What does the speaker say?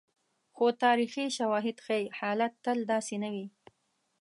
خو تاریخي شواهد ښيي، حالت تل داسې نه وي.